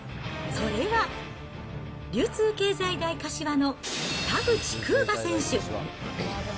それは流通経済大柏の田口空我選手。